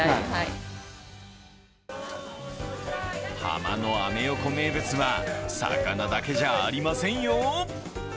ハマのアメ横名物は魚だけじゃありませんよ。